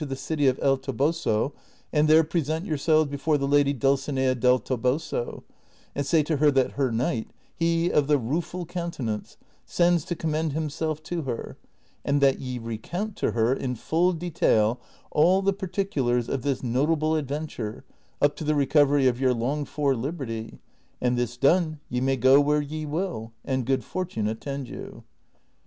167 the city of El Toboso, and there present yourselves before the lady liulcinea del Toboso, and say to her that her knight, he of the Kueful Countenance, sends to commend himself to her ; and that ye recount to her in full detail all the particulars of this notable adventure, up to the recovery of your longed for liberty ; and this done ye may go where ye will, and good fortune attend you."